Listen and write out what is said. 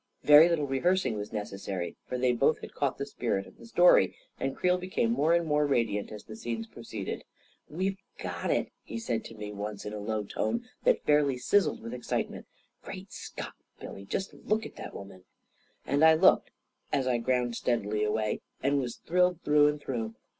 Very little rehearsing was neces sary, for they both had caught the spirit of the story, and Creel became more and more radiant as the scenes proceeded. " We've got it !" he said to me once, in a low tone that fairly sizzled with excitement. " Great Scott, Billy, just look at that woman !" And I looked, as I ground steadily away, and was thrilled through and through.